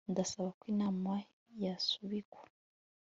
ndasaba ko inama yasubikwa